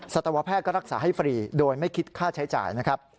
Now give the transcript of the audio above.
สัตวแพทย์ก็รักษาให้ฟรีโดยไม่คิดค่าใช้จ่ายนะครับ